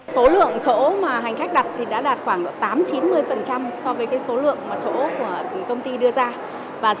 số lượng chỗ mà hành khách đặt thì đã đạt khoảng tám mươi chín mươi so với số lượng mà chỗ của công ty đưa ra